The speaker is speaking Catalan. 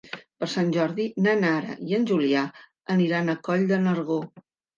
Per Sant Jordi na Nara i en Julià aniran a Coll de Nargó.